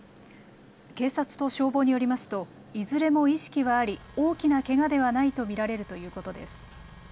警察と消防によりますといずれも意識はあり大きなけがではないと見られるということです。